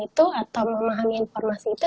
itu atau memahami informasi itu